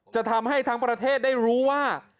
จะทำให้ทั้งประเทศได้รู้ว่า